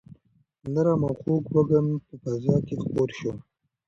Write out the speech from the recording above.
نرم او خوږ وږم په فضا کې خپور شو.